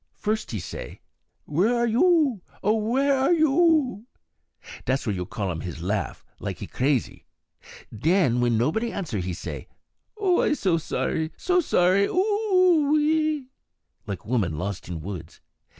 First he say, Where are you? O where are you? Dass what you call um his laugh, like he crazy. Denn, wen nobody answer, he say, O I so sorry, so sorry! Ooooo eee! like woman lost in woods.